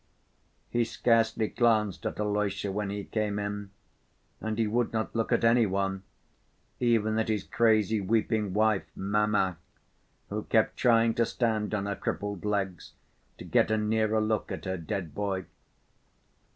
He scarcely glanced at Alyosha when he came in, and he would not look at any one, even at his crazy weeping wife, "mamma," who kept trying to stand on her crippled legs to get a nearer look at her dead boy.